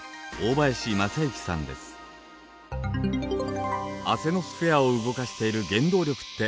アセノスフェアを動かしている原動力って何なんですか？